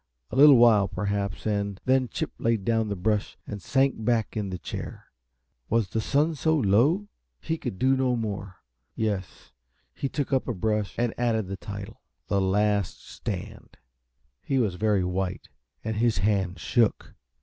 A little while perhaps, and then Chip laid down the brush and sank back in the chair. Was the sun so low? He could do no more yes, he took up a brush and added the title: "The Last Stand." He was very white, and his hand shook.